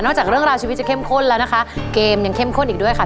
จากเรื่องราวชีวิตจะเข้มข้นแล้วนะคะเกมยังเข้มข้นอีกด้วยค่ะ